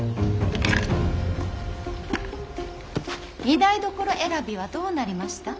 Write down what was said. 御台所選びはどうなりました。